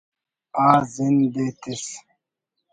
آ زند ءِ تس